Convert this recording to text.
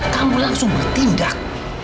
kamu langsung bertindak